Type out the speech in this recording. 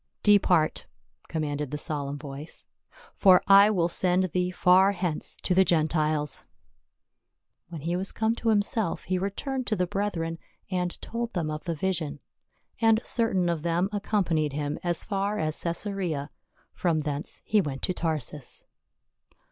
"Depart!" commanded the solemn voice, "for I will send thee far hence to the Gentiles." When he was come to himself he returned to the brethren and told them of the vision. And certain of them accompanied him as far as Caesarea ; from thence he went to Tarsus.